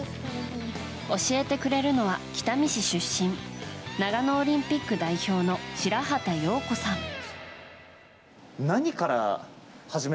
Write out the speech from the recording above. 教えてくれるのは北見市出身長野オリンピック代表の白畑容子さん。